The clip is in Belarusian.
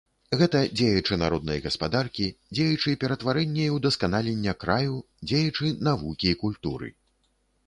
Гэта дзеячы народнай гаспадаркі, дзеячы ператварэння і ўдасканалення краю, дзеячы навукі і культуры.